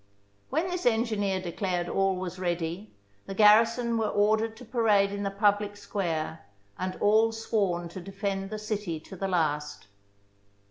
When this engineer declared all was ready, the garrison were ordered to parade in the public square and all sworn to defend the city to the last.